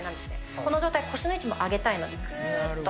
この状態、腰の位置も上げたいので、ぐーっと。